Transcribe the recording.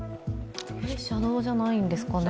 車道じゃないんですかね。